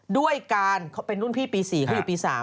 ด้วยการเขาเป็นรุ่นพี่ปี๔เขาอยู่ปี๓